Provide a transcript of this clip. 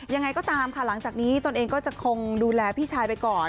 ยังไงก็ตามค่ะหลังจากนี้ตนเองก็จะคงดูแลพี่ชายไปก่อน